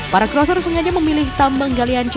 para kroser sengaja memilih tambang galian c